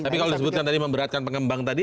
tapi kalau disebutkan tadi memberatkan pengembang tadi